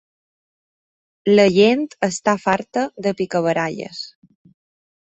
La gent està farta de picabaralles